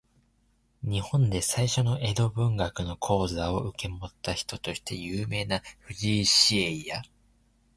日本で最初の江戸文学の講座を受け持った人として有名な藤井紫影や、